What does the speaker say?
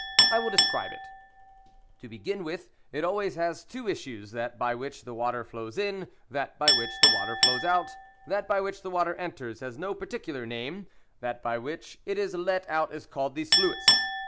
I will describe it ; to begin with, it always has two issues, that by which the water flows in, that by which the water flows out ; that by which v ,the ,water enters has no particular name, that by which it is let out is called the sluice.